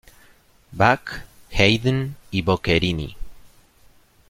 Bach, Haydn y Boccherini.